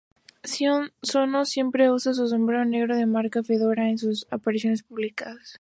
Sion Sono siempre usa su sombrero negro de marca Fedora en sus apariciones públicas.